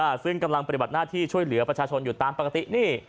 ซึ่งกำลังปฏิบัติหน้าที่ช่วยเหลือประชาชนอยู่ตามปกตินี่